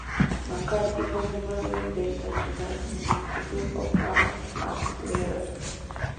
McCarthy fue miembro del National Institute of Arts and Letters.